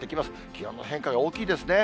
気温の変化が大きいですね。